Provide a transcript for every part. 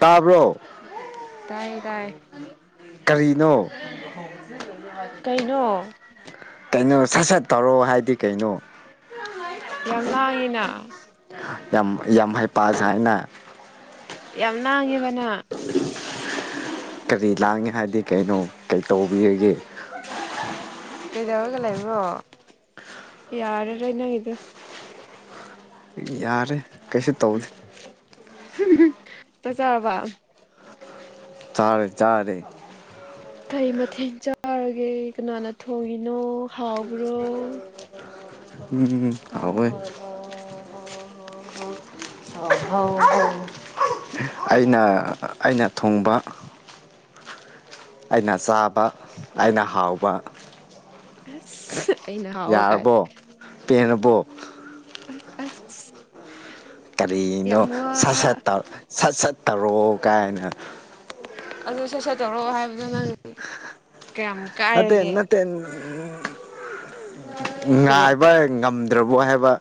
[inaudible] ꯇꯕ꯭ꯔꯣ ꯇꯥꯏꯌꯦ ꯇꯥꯏꯌꯦ ꯅꯣ ꯀꯩꯅꯣ [inaudible] ꯀꯩꯅꯣ ꯁꯠ ꯁꯠ ꯇꯧꯔꯣ ꯍꯥꯏꯗꯤ ꯀꯩꯅꯣ [inaudible] ꯌꯥꯝ ꯂꯥꯡꯉꯤꯅ ꯌꯥꯝ ꯌꯥꯝ ꯍꯩꯄꯥ ꯁꯥꯏꯅ [inaudible] ꯌꯥꯝ ꯂꯥꯡꯉꯦꯕ ꯅꯪ ꯀꯔꯤ ꯂꯥꯡꯉꯤ ꯍꯥꯏꯗꯤ ꯀꯩꯅꯣ ꯀꯩꯇꯧꯕꯤꯔꯒꯦ [inaudible] ꯀꯩꯗꯧꯔꯒ ꯂꯩꯕ꯭ꯔꯣ ꯌꯥꯔꯔꯣꯏ ꯅꯣꯏꯒꯤꯗꯣ ꯌꯥꯔꯦ ꯀꯩꯁꯨ ꯇꯧꯗꯦ ꯍꯨꯝ ꯍꯨ ꯆꯥꯛꯆꯥꯔꯕꯥ ꯆꯥꯔꯦ ꯆꯥꯔꯦ ꯐꯩ ꯃꯊꯦꯜ ꯆꯥꯔꯒꯦ ꯀꯅꯥꯅ ꯊꯣꯡꯉꯤꯅꯣ ꯍꯥꯎꯕ꯭ꯔꯣ ꯎꯝ ꯍꯥꯎꯋꯦ ꯑꯩꯅ ꯑꯩꯅ ꯊꯣꯡꯕ [inaudible] ꯑꯩꯅ ꯆꯥꯕ ꯑꯩꯅ ꯍꯥꯎꯕ ꯑꯁ ꯑꯩꯅ ꯍꯥꯎꯕ ꯀꯥꯏ ꯄꯦꯜꯂꯕꯣ ꯑꯁ ꯑꯁ ꯀꯔꯤꯅꯣ ꯌꯥꯝ ꯋꯥ ꯁꯠ ꯁꯠ ꯇꯧ ꯁꯠ ꯁꯠ ꯇꯧꯔꯛꯑꯣ ꯒꯥꯏꯅ ꯑꯗꯨ ꯁꯠ ꯁꯠ ꯇꯧꯔꯛꯑꯣ ꯍꯥꯏꯕꯗꯣ ꯅꯪ ꯀꯌꯥꯝ ꯅꯠꯇꯦ ꯀꯥꯏꯔꯒꯦ ꯅꯠꯇꯦ ꯀꯔꯤ ꯉꯥꯏꯕ ꯉꯝꯗ꯭ꯔꯕꯣ ꯍꯥꯏꯕ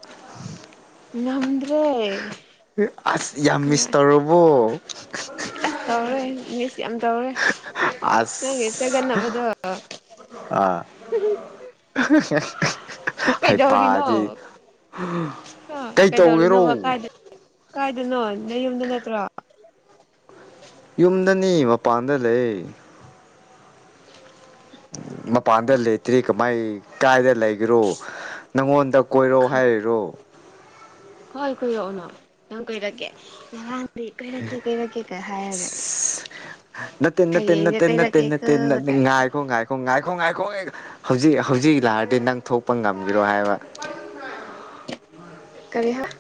ꯉꯝꯗ꯭ꯔꯦ ꯑꯁ ꯌꯥꯝ ꯃꯤꯁ ꯇꯧꯔꯕꯣ ꯑꯁ ꯇꯧꯔꯦ ꯃꯤꯁ ꯌꯥꯝ ꯇꯧꯔꯦ ꯅꯪꯒꯤ ꯑꯁ ꯆꯒꯠꯅꯕꯗꯣ ꯑꯥ [unintelligible] ꯀꯩꯗꯧꯔꯤꯅꯣ ꯍꯩꯄꯥꯗꯤ ꯍꯥ ꯀꯩ ꯇꯧꯒꯦꯔꯣ ꯀꯩꯗꯧꯔꯤꯅꯣꯕ ꯀꯥꯏꯗ ꯀꯥꯏꯗꯅꯣ ꯅꯌꯨꯝꯗ ꯅꯠꯇ꯭ꯔꯣ ꯌꯨꯝꯗꯅꯤ ꯃꯄꯥꯟꯗ ꯂꯩꯌꯦ [inaudible] ꯃꯄꯥꯟꯗ ꯂꯩꯇ꯭ꯔꯤ ꯀꯃꯥꯏ ꯀꯥꯏꯗ ꯂꯩꯒꯦꯔꯣ ꯅꯪꯉꯣꯟ ꯗ ꯀꯣꯏꯔꯣ ꯍꯥꯏꯔꯤꯔꯣ ꯍꯣꯏ ꯀꯣꯏꯔꯛꯎꯅ ꯅꯪ ꯀꯨꯏꯔꯛꯀꯦ ꯉꯔꯥꯡ ꯕꯤ ꯀꯣꯏꯔꯛꯀꯦ ꯀꯣꯏꯔꯛꯀꯦ ꯀꯩ ꯍꯥꯏꯔꯒ ꯏꯁ ꯅꯠꯇꯦ ꯅꯠꯇꯦ ꯍꯌꯦꯡꯗꯤ ꯅꯠꯇꯦ ꯅꯠꯇꯦ ꯀꯣꯏꯔꯛꯀꯦꯀꯣ ꯅꯠꯇꯦ ꯅꯠ ꯀꯥꯏꯅ ꯉꯥꯏꯀꯣ ꯉꯥꯏꯀꯣ ꯉꯥꯢ ꯈꯣꯡ ꯉꯥꯏꯈꯣꯍꯦ ꯍꯧꯖꯤꯛ ꯍꯧꯖꯤꯛ ꯂꯥꯛꯑꯗꯤ ꯅꯪ ꯊꯣꯛꯄ ꯉꯝꯒꯤꯔꯣ ꯍꯥꯏꯕ ꯀꯔꯤ ꯍꯥꯏꯕ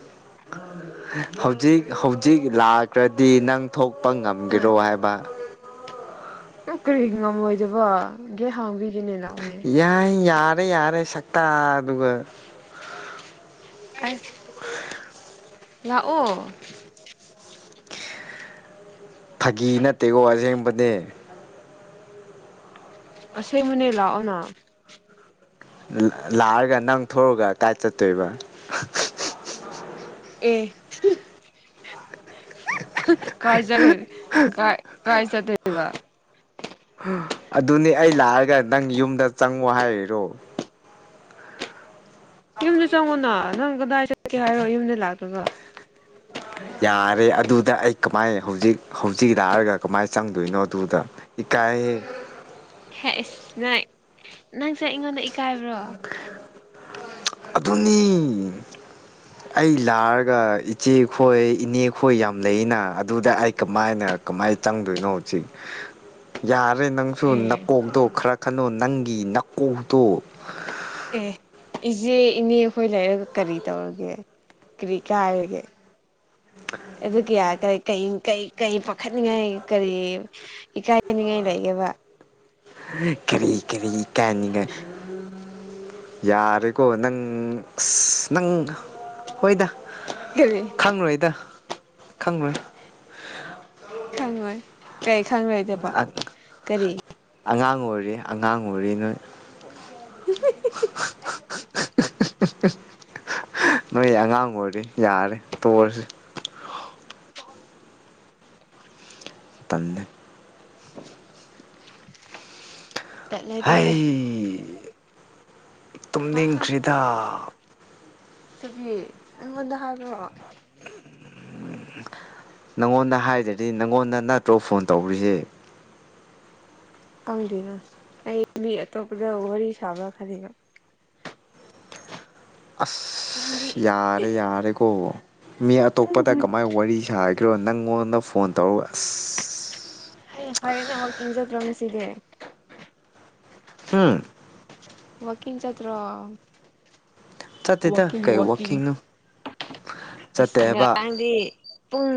ꯍꯧꯖꯤꯛ ꯍꯧꯖꯤꯛ ꯂꯥꯛꯈ꯭ꯔꯗꯤ ꯅꯪ ꯊꯣꯛꯄ ꯉꯝꯒꯦꯔꯣ ꯍꯥꯏꯕ ꯎ ꯀꯔꯤꯒꯤ ꯉꯝꯃꯣꯏꯗꯕ ꯒꯦꯠ ꯍꯥꯡꯕꯤꯒꯦꯅꯦ ꯂꯥꯛꯑꯣꯅꯦ ꯔꯦ ꯌꯥꯔꯦ ꯁꯛꯇ ꯗꯨꯒ ꯂꯥꯛꯑꯣ ꯐꯥꯒꯤ ꯅꯠꯇꯦꯀꯣ ꯑꯁꯦꯡꯕꯅꯦ ꯑꯁꯦꯡꯕꯅꯦ ꯂꯥꯛꯑꯣꯅ ꯂꯥꯛꯑꯒ ꯅꯪ ꯊꯣꯛꯔꯛꯑꯒ ꯀꯥꯏ ꯆꯠꯇꯣꯏꯕ ꯑꯦ ꯈ ꯀꯥꯏ ꯆꯠꯂꯨꯏ ꯀꯥꯏ ꯀꯥꯏ ꯆꯠꯇꯣꯢꯕ ꯍꯥ ꯑꯗꯨꯅꯤ ꯑꯩ ꯂꯥꯛꯑꯒ ꯅꯪ ꯌꯨꯝꯗ ꯆꯪꯉꯣ ꯍꯥꯏꯔꯤꯔꯣ ꯌꯨꯝꯗ ꯆꯪꯉꯨꯅ ꯅꯪ ꯀꯗꯥꯏ ꯆꯠꯀꯦ ꯍꯥꯏꯔꯣ ꯌꯨꯝꯗ ꯂꯥꯛꯇꯒ [unintelligible] ꯌꯥꯔꯦ ꯑꯗꯨꯗ ꯑꯩ ꯀꯃꯥꯏ ꯍꯧꯖꯤꯛ ꯍꯧꯖꯤꯛ ꯂꯥꯛꯔꯒ ꯀꯃꯥꯏꯅ ꯆꯪꯗꯣꯏꯅꯣ ꯑꯗꯨꯗ ꯏꯀꯥꯏꯍꯦ [unintelligible] ꯍꯦꯛ ꯑꯦꯁ ꯅꯪ ꯅꯪꯁꯦ ꯑꯩꯉꯣꯟꯗ ꯏꯀꯥꯏꯕ꯭ꯔꯣ ꯑꯗꯨꯅꯤ ꯑꯩ ꯂꯥꯛꯑꯒ ꯏꯆꯦꯈꯣꯏ ꯏꯅꯦꯈꯣꯏ ꯌꯥꯝ ꯂꯩꯌꯦꯅ ꯑꯗꯨꯗ ꯑꯩ ꯀꯃꯥꯏꯅ ꯀꯃꯥꯢ ꯆꯪꯗꯣꯢꯅꯣ ꯖꯤꯛ ꯌꯥ ꯅꯪꯁꯨ ꯎꯝ ꯅꯥꯀꯣꯛꯇꯣ ꯈꯔ ꯈꯟꯅꯣ ꯅꯪꯒꯤ ꯅꯥꯀꯣꯛꯇꯣ ꯑꯦ ꯏꯆꯦ ꯏꯅꯦꯈꯣꯏ ꯂꯩꯔꯒ ꯀꯔꯤ ꯇꯧꯔꯒꯦ ꯀꯔꯤ ꯀꯥꯢꯔꯒꯦ ꯑꯗꯨ ꯀꯌꯥ ꯀꯔꯤ ꯀꯩ ꯀꯩ ꯀꯩ ꯄꯥꯈꯠꯅꯤꯡꯉꯥꯏ ꯀꯔꯤ ꯏꯀꯥꯏꯅꯤꯡꯉꯥꯢ ꯂꯩꯒꯦꯕ ꯀꯔꯤ ꯀꯔꯤ ꯏꯀꯥꯏꯅꯤꯡꯉꯥꯏ ꯌꯥꯔꯦꯀꯣ ꯅꯪ ꯑꯁ ꯅꯪ ꯍꯣꯏꯗ ꯀꯔꯤ ꯈꯪꯔꯣꯢꯗ ꯈꯪꯉꯣꯏ ꯀꯩ ꯈꯪꯂꯣꯏꯗꯕ ꯀꯔꯤ ꯂꯣꯏꯔꯦ ꯑꯉꯥꯡ ꯑꯣꯏꯔꯤ ꯑꯉꯥꯡ ꯑꯣꯏꯔꯤ ꯅꯣꯏ ꯅꯣꯏ ꯑꯉꯥꯡ ꯑꯣꯏꯔꯤ ꯌꯥꯔꯦ ꯇꯣꯛꯑꯁꯤ ꯇꯜꯂꯦ [inaudible] ꯇꯠꯂꯦ ꯇꯠꯂꯦ ꯇꯨꯝꯅꯤꯡꯗ꯭ꯔꯤꯗ ꯆꯠꯂꯤ ꯑꯩꯉꯣꯟꯗ ꯍꯥꯏꯕ꯭ꯔꯣ [unintelligible] ꯅꯪꯉꯣꯟꯗ ꯍꯥꯏꯗ꯭ꯔꯗꯤ ꯅꯪꯉꯣꯟꯗ ꯅꯠꯇ꯭ꯔꯣ ꯐꯣꯟ ꯇꯧꯔꯤꯖꯦ ꯈꯪꯗꯦꯅ ꯑꯩ ꯃꯤ ꯑꯇꯣꯞꯄꯗ ꯋꯥꯔꯤ ꯁꯥꯕ꯭ꯔ ꯈꯟꯂꯤꯕ ꯅꯪꯗꯤ ꯑꯁ ꯌꯥꯔꯦ ꯌꯥꯔꯦꯀꯣ ꯃꯤ ꯑꯇꯣꯞꯄꯗ ꯀꯃꯥꯏ ꯋꯥꯔꯤ ꯁꯥ ꯀ꯭ꯔꯣ ꯅꯪꯉꯣꯟꯗ ꯐꯣꯟ ꯇꯧꯔꯒ ꯑꯁ ꯍꯦ ꯐꯔꯦꯅꯦ ꯋꯥꯛꯀꯤꯡ ꯆꯗ꯭ꯔꯣ ꯉꯁꯤꯗꯤ ꯍꯨꯝ ꯋꯥꯀꯤꯡ ꯆꯠꯇ꯭ꯔꯣ ꯆꯠꯇꯦꯗ ꯋꯥꯀꯤꯡ ꯀꯩ ꯋꯥꯀꯤꯡ ꯋꯥꯛꯀꯤꯡꯅꯣ ꯑꯁ ꯆꯠꯇꯦꯕ ꯉꯔꯥꯡꯗꯤ ꯄꯨꯡ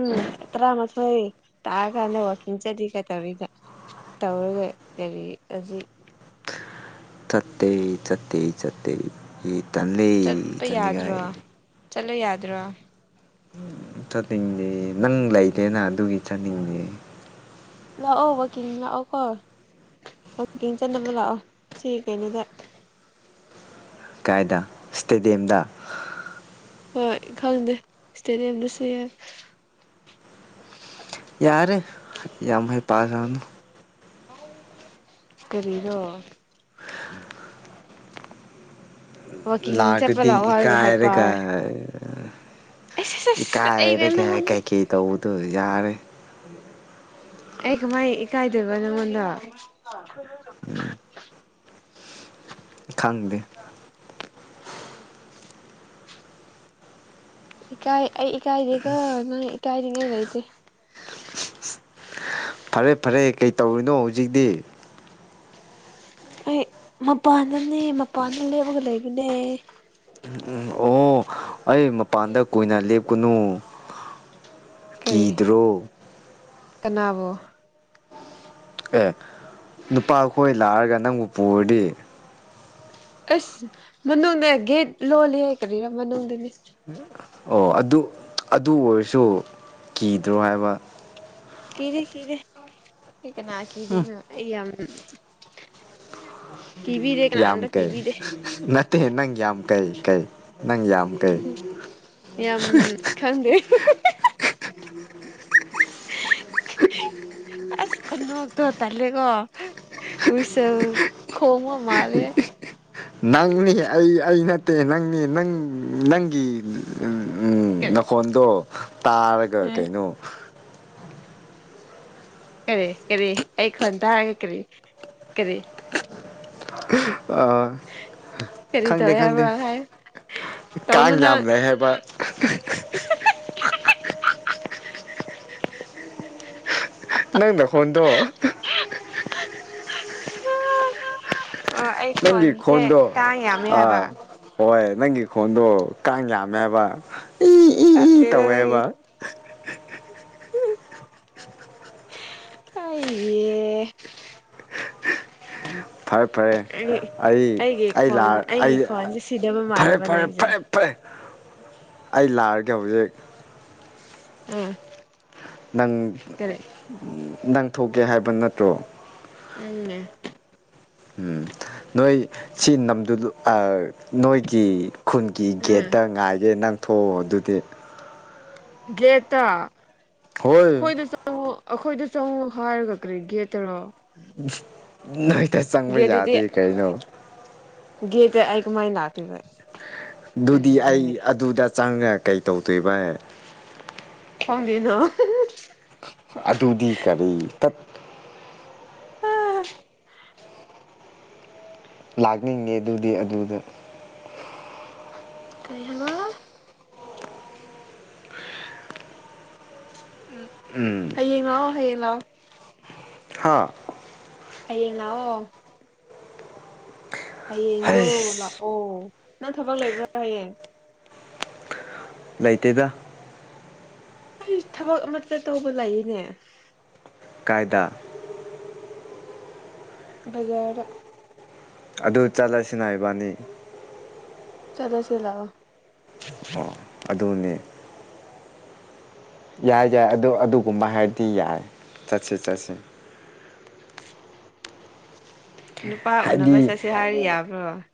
ꯇꯔꯥꯃꯊꯣꯏ ꯇꯥꯀꯥꯟꯗ ꯋꯥꯀꯤꯡ ꯆꯠꯂꯤꯒ ꯀꯩꯇꯧꯔꯤꯗ ꯇꯧꯔꯤꯒꯦ ꯀꯔꯤ ꯍꯧꯖꯤꯛ ꯆꯠꯇꯦ ꯆꯠꯇꯦ ꯆꯠꯇꯦ ꯏ ꯇꯜꯂꯦ ꯏꯊꯟꯅꯤꯉꯥꯏ ꯆꯠꯂꯨ ꯌꯥꯗ꯭ꯔꯣ ꯆꯠꯅꯤꯡꯗꯦ ꯅꯪ ꯂꯩꯇꯦꯅ ꯑꯗꯨꯒꯤ ꯆꯠꯅꯤꯡꯗꯦ ꯂꯥꯛꯑꯣ ꯋꯥꯛꯀꯤꯡ ꯂꯥꯛꯑꯣ ꯀꯣ ꯋꯥꯀꯤꯡ ꯆꯠꯅꯕ ꯂꯥꯛꯑꯣ ꯁꯤ ꯀꯩꯅꯣꯗ ꯀꯥꯏꯗ ꯏꯁꯇꯦꯗꯤꯌꯝꯗ ꯍꯣꯏ ꯈꯪꯗꯦ ꯏꯁꯇꯦꯗꯤꯌꯝꯗꯁꯨ ꯌꯥꯏ ꯌꯥꯔꯦ ꯌꯥꯝ ꯍꯩꯄꯥ ꯁꯥꯅꯨ ꯀꯔꯤꯔꯣ [inaudible] ꯋꯥꯛꯀꯤꯡ ꯆꯠꯄ ꯂꯥꯛꯑꯒꯗꯤ ꯂꯥꯛꯑꯣ ꯍꯥꯏꯔꯒ ꯏꯀꯥꯏꯔꯒ ꯍꯥꯏꯄꯔ ꯑꯩꯁ ꯑꯁ ꯑꯁ ꯑꯩꯅ ꯏꯀꯥꯏꯔꯦꯒ ꯅꯪꯉꯣꯟꯗ ꯀꯩ ꯀꯩ ꯇꯧꯕꯗꯣ ꯌꯥꯔꯦ ꯑꯩ ꯀꯃꯥꯏ ꯏꯀꯥꯏꯗꯣꯢꯕ ꯅꯪꯉꯣꯟꯗ ꯎꯝ ꯈꯪꯗꯦ ꯏꯀꯥꯏ ꯑꯩ ꯏꯀꯥꯏꯗꯦꯀꯣ ꯅꯪ ꯏꯀꯥꯏꯅꯤꯉꯩ ꯂꯩꯇꯦ ꯀꯩꯇꯧꯔꯤꯅꯣ ꯍꯧꯖꯤꯛꯇꯤ ꯑꯩ ꯃꯄꯥꯟꯗꯅꯦ ꯃꯄꯥꯟꯗ ꯂꯦꯞꯂꯒ ꯂꯩꯕꯅꯦ ꯎꯝ ꯑꯣ ꯑꯩ ꯃꯄꯥꯟꯗ ꯀꯨꯏꯅ ꯂꯦꯞꯀꯅꯨ ꯀꯔꯤ ꯀꯤꯗ꯭ꯔꯣ ꯀꯅꯥꯕꯣ ꯑꯦ ꯅꯨꯄꯥ ꯈꯣꯏ ꯂꯥꯛꯑꯒ ꯅꯪꯕꯨ ꯄꯨꯔꯗꯤ ꯑꯁ ꯃꯅꯨꯡꯗ ꯒꯦꯠ ꯂꯣꯜꯂꯤꯍꯦ ꯀꯔꯤꯔ ꯃꯅꯨꯡꯗꯅꯤ ꯑꯣ ꯑꯗꯨ ꯑꯗꯨ ꯑꯣꯏꯔꯁꯨ ꯀꯤꯗ꯭ꯔꯣ ꯍꯥꯏꯕ ꯀꯤꯗꯦ ꯀꯤꯗꯦ ꯑꯩ ꯀꯅꯥ ꯀꯤꯗꯣꯢꯅꯣ ꯑꯩ ꯌꯥꯝ [inaudible] ꯌꯥꯝ ꯀꯅꯥꯝꯇ ꯀꯩ ꯀꯤꯕꯤꯗꯦ ꯅꯠꯇꯦ ꯅꯪ ꯌꯥꯝ ꯀꯩ ꯀꯩ ꯅꯪ ꯌꯥꯝ ꯀꯩ ꯌꯥꯝ ꯈꯪꯗꯦ [unintelligible] [unintelligible] ꯑꯁ ꯈꯨꯅꯣꯛꯇꯣ ꯇꯜꯂꯦꯀꯣ ꯋꯤꯁꯦꯜ ꯈꯣꯡꯕ ꯃꯥꯂꯦ ꯅꯪꯅꯤ ꯑꯩ ꯑꯩ ꯅꯠꯇꯦ ꯅꯪꯅꯦ ꯅꯪ ꯅꯪꯒꯤ ꯎꯝ ꯎꯝ ꯀꯔꯤ ꯅꯈꯣꯟꯗꯣ ꯇꯥꯔꯒ ꯀꯩꯅꯣ ꯀꯔꯤ ꯀꯔꯤ ꯑꯩ ꯈꯣꯟ ꯇꯥꯔꯒꯦ ꯀꯔꯤ ꯀꯔꯤ ꯑꯥ ꯀꯔꯤ ꯈꯪꯗꯦ ꯇꯧꯋꯦ ꯈꯪꯗꯦ ꯍꯥꯏꯕ꯭ꯔꯥ ꯍꯥꯏ ꯇꯧꯅꯨ ꯀꯥꯥꯡ ꯌꯥꯝ ꯅꯪ ꯂꯩ ꯍꯥꯏꯕ ꯅꯪ ꯅꯈꯣꯟꯗꯣ ꯑꯣ ꯑꯩ ꯅꯪꯒꯤ ꯈꯣꯟꯁꯦ ꯈꯣꯟꯗꯣ ꯀꯥꯡ ꯌꯥꯝꯃꯦ ꯍꯥꯏꯕ ꯑꯥ ꯍꯣꯏ ꯅꯪꯒꯤ ꯈꯣꯟꯗꯣ ꯀꯥꯡ ꯌꯥꯝꯃꯦ ꯍꯥꯢꯕ ꯇꯜꯂꯦꯗ ꯅꯪꯒꯤ ꯑꯩꯌꯦ ꯐꯔꯦ ꯐꯔꯦ ꯑꯩ ꯑꯩꯒꯤ ꯑꯩ ꯂꯥ ꯈꯣꯟ ꯑꯩꯒꯤ ꯑꯩ ꯈꯣꯟꯁꯦ ꯁꯤꯗꯕ ꯐꯔꯦ ꯃꯥꯜꯂꯦꯕ ꯐꯔꯦ ꯅꯪꯒꯤꯁꯦ ꯐꯔꯦ ꯐꯔꯦ ꯑꯩ ꯂꯥꯛꯑꯒꯦ ꯍꯧꯖꯤꯛ ꯑꯥ ꯅꯪ ꯀꯔꯤ ꯅꯪ ꯊꯣꯛꯀꯦ ꯍꯥꯏꯕ ꯅꯠꯇ꯭ꯔꯣ ꯎꯝ ꯎꯝ ꯅꯣꯏ ꯁꯤ ꯅꯝꯗꯨꯗꯨ ꯑꯥ ꯅꯣꯏꯒꯤ ꯈꯨꯟꯒꯤ ꯑꯥ ꯒꯦꯠꯇ ꯉꯥꯏꯒꯦ ꯅꯪ ꯊꯣꯛꯑꯣ ꯑꯗꯨꯗꯤ ꯒꯦꯠ ꯇ ꯍꯣꯏ ꯑꯩꯈꯣꯏꯗ ꯆꯪꯉꯛꯑꯣ ꯍꯥꯏꯔꯒ ꯀꯔꯤ ꯒꯦꯠꯇꯔꯣ ꯅꯣꯏꯗ ꯆꯪꯕ ꯒꯦꯠꯇꯗꯤ ꯌꯥꯗꯦ ꯀꯩꯅꯣ ꯒꯦꯠꯇ ꯑꯩ ꯀꯃꯥꯢ ꯂꯥꯛ ꯑꯗꯨꯗꯤ ꯑꯩ ꯑꯗꯨꯗ ꯆꯪꯉꯒ ꯀꯩ ꯇꯧꯗꯣꯏꯕ ꯈꯪꯗꯦꯗꯣ ꯑꯗꯨꯗꯤ ꯀꯔꯤ ꯇꯠ ꯍꯥ ꯂꯥꯛꯅꯤꯡꯉꯦ ꯑꯗꯨꯗꯤ ꯑꯗꯨꯗ ꯀꯩ ꯍꯥꯏꯕ ꯍꯌꯦꯡ ꯂꯥꯛꯑꯣ ꯍꯌꯦꯡ ꯂꯥꯛꯑꯣ ꯍꯥ ꯑꯌꯦꯡ ꯂꯥꯛꯑꯣ ꯍꯌꯦꯡꯗꯣ ꯍꯩꯁ ꯂꯥꯛꯑꯣ ꯅꯪ ꯊꯕꯛ ꯂꯩꯕ꯭ꯔꯥ ꯍꯌꯦꯡ ꯂꯩꯇꯦꯗ ꯑꯩ ꯊꯕꯛ ꯑꯃ ꯆꯠꯇꯧꯕ ꯂꯩꯅꯦ ꯀꯥꯏꯗꯥ ꯕꯖꯥꯔꯗ ꯑꯗꯨ ꯆꯠꯂꯁꯤꯅ ꯏꯕꯥꯅꯤ ꯆꯠꯂꯁꯤ ꯂꯥꯛꯑꯣ ꯑꯣ ꯑꯗꯨꯅꯦ ꯌꯥꯏ ꯌꯥꯏ ꯑꯗꯨ ꯑꯗꯨꯒꯨꯝꯕ ꯍꯥꯏꯔꯗꯤ ꯌꯥꯏ ꯆꯠꯁꯤ ꯆꯠꯁꯤ ꯅꯨꯄꯥ ꯍꯥꯏꯗꯤ ꯎꯅꯕ ꯆꯠꯁꯦ ꯍꯥꯏꯔ ꯌꯥꯕ꯭ꯔꯣ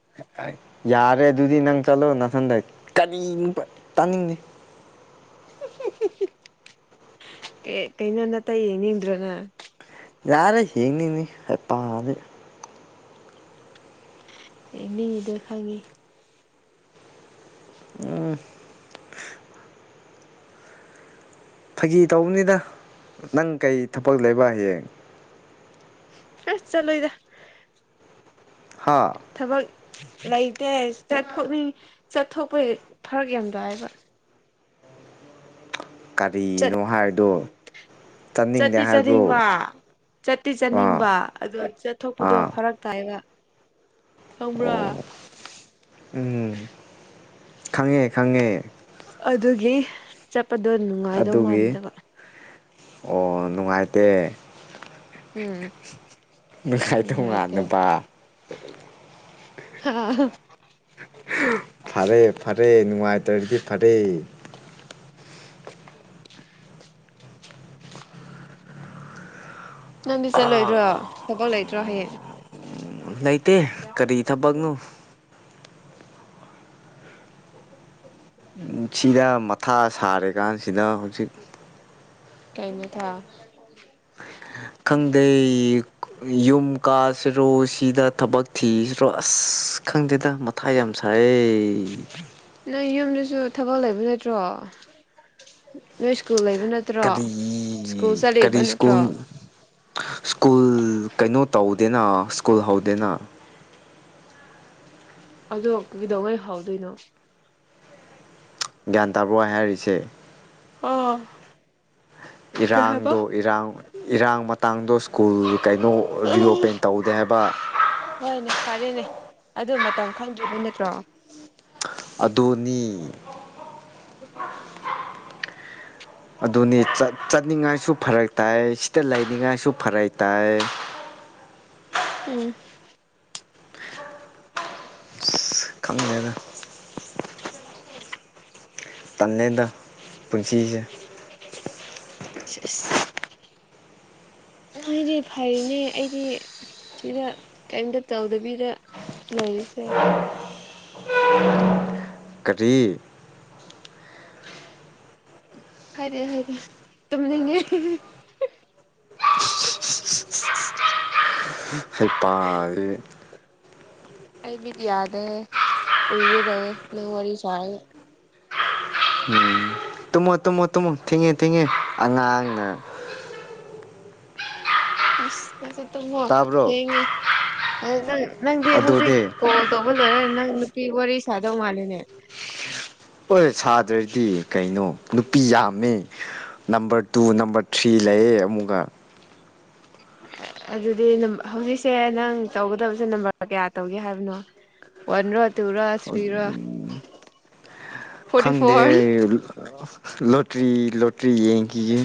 ꯌꯥꯔꯦ ꯑꯗꯨꯗꯤ ꯅꯪ ꯆꯠꯂꯣ ꯅꯊꯟꯗ ꯀꯔꯤꯅꯨꯕ ꯇꯥꯅꯤꯡꯗꯦ ꯀꯩꯅꯣ ꯅꯇꯩ ꯌꯦꯡꯅꯤꯡꯗ꯭ꯔꯣ ꯅꯪ ꯌꯥꯔꯦ ꯌꯦꯡꯅꯤꯡꯗꯦ ꯍꯩꯄꯥꯗꯤ ꯌꯦꯡꯅꯤꯡꯉꯤꯗꯣ ꯈꯪꯉꯦ ꯑꯥ ꯐꯥꯒꯤ ꯇꯧꯕꯅꯤꯗ ꯅꯪ ꯀꯩ ꯊꯕꯛ ꯂꯩꯕ ꯍꯌꯦꯡ ꯑꯁ ꯆꯠꯂꯣꯏꯗ ꯍꯥ ꯊꯕꯛ ꯂꯩꯇꯦ ꯆꯠꯊꯣꯛꯅꯤꯡ ꯆꯠꯊꯣꯛꯄ ꯐꯔꯛ ꯌꯥꯝ ꯇꯥꯏꯌꯦꯕ ꯆꯠ ꯀꯔꯤꯅꯣ ꯍꯥꯏꯕꯗꯣ ꯆꯠꯅꯤꯡꯗꯦ ꯆꯠꯇꯤ ꯍꯥꯏꯕ꯭ꯔꯣ ꯆꯠꯅꯤꯡꯕ ꯆꯠꯇꯤ ꯑꯥ ꯆꯠꯅꯤꯡꯕ ꯑꯗꯣ ꯆꯠꯊꯣꯛꯄꯗꯣ ꯑꯥ ꯐꯔꯛ ꯇꯥꯏꯕ ꯈꯪꯕ꯭ꯔꯣ ꯑꯣ ꯎꯝ ꯈꯪꯉꯦ ꯈꯪꯉꯦ ꯑꯗꯨꯒꯤ ꯆꯠꯄꯗꯣ ꯅꯨꯡꯉꯥꯏꯗꯧ ꯑꯗꯨꯒꯤ ꯃꯥꯟꯗꯕ ꯑꯣ ꯅꯨꯡꯉꯥꯏꯇꯦ ꯎꯝ ꯅꯨꯡꯉꯥꯏꯇꯧ ꯅꯨꯡꯉꯥꯏꯇꯦ ꯃꯥꯟꯗꯕ ꯍꯥ ꯍꯥ ꯐꯔꯦ ꯐꯔꯦ ꯅꯨꯡꯉꯥꯏꯇ꯭ꯔꯗꯤ ꯐꯔꯦ [inaudible] ꯅꯪꯗꯤ ꯆꯠꯂꯣꯏꯗ꯭ꯔꯣ ꯊꯕꯛ ꯂꯩꯇ꯭ꯔꯣ ꯍꯌꯦꯡ ꯎꯝ ꯂꯩꯇꯦ ꯀꯔꯤ ꯊꯕꯛꯅꯣ [inaudible] ꯁꯤꯗ ꯃꯊꯥ ꯁꯥꯔꯦꯀꯥꯟꯁꯤꯗ ꯍꯧꯖꯤꯛ ꯀꯩ ꯃꯊꯥ ꯈꯪꯗꯦ ꯌꯨꯝ ꯀꯥꯁꯤꯔꯣ ꯁꯤꯗ ꯊꯕꯛ ꯊꯤꯁꯤꯔꯣ ꯑꯁ ꯈꯪꯗꯦꯗ ꯃꯊꯥ ꯌꯥꯝ ꯁꯥꯏꯌꯦ ꯅꯪ ꯌꯨꯝꯗꯨꯁꯨ ꯊꯕꯛ ꯂꯩꯕ ꯅꯠꯇ꯭ꯔꯣ ꯅꯣꯏ ꯁ꯭ꯀꯨꯜ ꯂꯩꯕ ꯅꯠꯇ꯭ꯔꯣ ꯁ꯭ꯀꯨꯜ ꯀꯔꯤ ꯆꯠꯂꯤꯕ ꯀꯔꯤ ꯅꯠꯇ꯭ꯔꯣ ꯁ꯭ꯀꯨꯜ ꯁ꯭ꯀꯨꯜ ꯀꯩꯅꯣ ꯇꯧꯗꯦꯅ ꯁ꯭ꯀꯨꯜ ꯍꯧꯗꯦꯅ ꯑꯗꯣ ꯀꯩꯗꯧꯉꯩ ꯍꯥꯎꯗꯣꯏꯅꯣ ꯭ꯒ꯭ꯌꯥꯟ ꯇꯕ꯭ꯔꯣ ꯑꯩꯅ ꯍꯥꯔꯤꯁꯦ ꯑꯣ ꯏꯔꯥꯡꯗꯣ ꯏꯔꯥꯡ ꯏꯔꯥꯡ ꯃꯇꯥꯡꯗꯣ ꯁ꯭ꯀꯨꯜ ꯀꯩꯅꯣ ꯑꯥ ꯔꯤꯑꯣꯄꯦꯟ ꯇꯧꯗꯦ ꯍꯥꯏꯕ ꯍꯣꯏꯅꯦ ꯐꯔꯦꯅꯦ ꯑꯗꯨ ꯃꯇꯝ ꯈꯪꯗ꯭ꯔꯤꯕ ꯅꯠꯇ꯭ꯔꯣ ꯑꯗꯨꯅꯤ [unintelligible] [inaudible] ꯑꯗꯨꯅꯤ ꯆꯠꯅꯤꯡꯉꯥꯏꯁꯨ ꯐꯔꯛ ꯇꯥꯏ ꯁꯤꯗ ꯂꯩꯅꯤꯡꯉꯥꯏꯁꯨ ꯐꯔꯛ ꯇꯥꯏ [inaudible] ꯎꯝ ꯈꯪꯗꯦꯗ [unintelligible] ꯇꯜꯂꯦꯗ ꯄꯨꯟꯁꯤꯁꯦ ꯁꯦꯁ ꯅꯣꯏꯗꯤ ꯐꯩꯅꯦ ꯑꯩꯗꯤ ꯁꯤꯗ ꯀꯔꯤꯝꯇ ꯇꯧꯗꯕꯤꯗ ꯂꯩꯔꯤꯁꯦ ꯀꯔꯤ ꯍꯥꯏꯗꯦ ꯍꯥꯏꯗꯦ ꯇꯨꯝꯅꯤꯡꯉꯦ [unintelligible] ꯍꯩ ꯄꯥꯗꯤ ꯑꯩ ꯃꯤꯠ ꯌꯥꯗꯦ ꯎꯏꯒꯦ ꯇꯧꯋꯦ ꯅꯣꯏ ꯋꯥꯔꯤ ꯁꯥꯔꯒ ꯇꯨꯝꯃꯣ ꯇꯨꯝꯃꯣ ꯇꯨꯝꯃꯣ ꯊꯦꯡꯉꯦ ꯊꯦꯡꯉꯦ ꯑꯉꯥꯡꯅ ꯏꯁ ꯐꯖꯅ ꯇꯨꯝꯃꯣ ꯇꯥꯕ꯭ꯔꯣ ꯊꯦꯡꯉꯦ ꯍꯥꯏ ꯅꯪ ꯅꯪꯗꯤ ꯍꯧꯖꯤꯛ ꯑꯗꯨꯅꯦ ꯀꯣꯜ ꯇꯧꯕ ꯂꯣꯏꯔ ꯅꯪ ꯅꯨꯄꯤꯒ ꯋꯥꯔꯤ ꯁꯥꯗꯧ ꯃꯥꯂꯤꯅꯦ ꯍꯣꯏ ꯁꯥꯗ꯭ꯔꯗꯤ ꯀꯩꯅꯣ ꯅꯨꯄꯤ ꯌꯥꯝꯃꯦ ꯅꯝꯕꯔ ꯇꯨ ꯅꯝꯕꯔ ꯊ꯭ꯔꯤ ꯂꯩꯌꯦ ꯑꯃꯨꯛꯒ ꯑꯗꯨꯗꯤ ꯍꯧꯖꯤꯛꯁꯦ ꯅꯪ ꯇꯧꯒꯗꯕꯁꯦ ꯅꯝꯕꯔ ꯀꯌꯥ ꯇꯧꯒꯦ ꯍꯥꯏꯕꯅꯣ ꯋꯥꯟꯔꯣ ꯇꯨꯔꯣ ꯑꯣ ꯊ꯭ꯔꯤꯔꯣ ꯎꯝ ꯐꯣꯔꯇꯤ ꯈꯪꯗꯦ ꯐꯣꯔ ꯂꯣꯇ꯭ꯔꯤ ꯂꯣꯇ꯭ꯔꯤ ꯌꯦꯡꯈꯤꯒꯦ